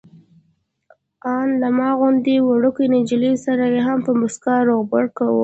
ان له ما غوندې وړوکې نجلۍ سره یې په موسکا روغبړ کاوه.